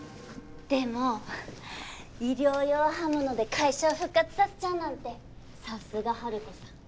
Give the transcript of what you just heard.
でも医療用刃物で会社を復活させちゃうなんてさすがハルコさん。